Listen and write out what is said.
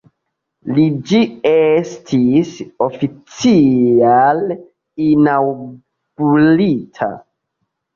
La ĝi estis oficiale inaŭgurita.